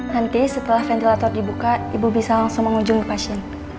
nanti setelah ventilator dibuka ibu bisa langsung mengunjungi pasien